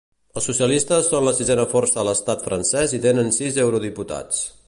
Els socialistes són la sisena força a l’estat francès i tenen sis eurodiputats.